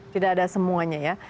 tidak ada semuanya ya